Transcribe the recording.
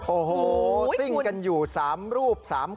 โอ้โหหุ้ยติ้งกันอยู่สามรูปสามรูป